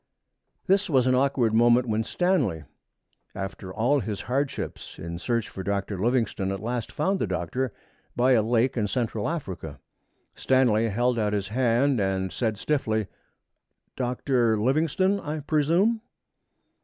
That was an awkward moment when Stanley, after all his hardships in his search for Dr. Livingstone, at last found the Doctor by a lake in Central Africa. Stanley held out his hand and said stiffly, 'Dr. Livingstone, I presume?'